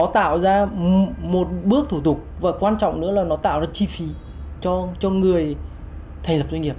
tạo ra một bước thủ tục và quan trọng nữa là nó tạo ra chi phí cho người thành lập doanh nghiệp